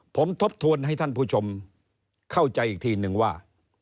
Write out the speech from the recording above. ผมทบทวนให้ท่านผู้ชมเข้าใจอีกทีนึงว่า